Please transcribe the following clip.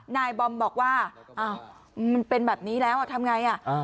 นายบอมบอกว่าอ้าวมันเป็นแบบนี้แล้วทำไง